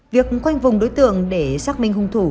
việc khoanh vùng đối tượng để xác minh hung thủ